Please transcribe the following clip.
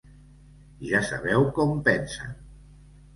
Ja sabeu com pensen.